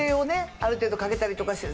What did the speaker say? ある程度かけたりとかして。